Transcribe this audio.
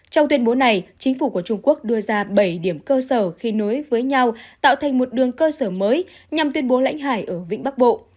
trong tuyên bố này chính phủ của trung quốc đưa ra bảy điểm cơ sở khi nối với nhau tạo thành một đường cơ sở mới nhằm tuyên bố lãnh hải ở vĩnh bắc bộ